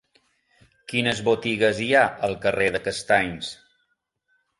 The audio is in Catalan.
Quines botigues hi ha al carrer de Castanys?